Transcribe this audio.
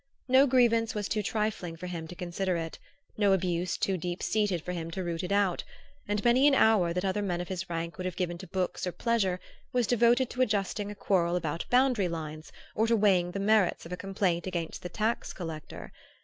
No grievance was too trifling for him to consider it, no abuse too deep seated for him to root it out; and many an hour that other men of his rank would have given to books or pleasure was devoted to adjusting a quarrel about boundary lines or to weighing the merits of a complaint against the tax collector.